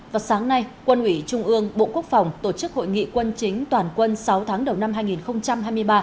vào sáng nay quân ủy trung ương bộ quốc phòng tổ chức hội nghị quân chính toàn quân sáu tháng đầu năm hai nghìn hai mươi ba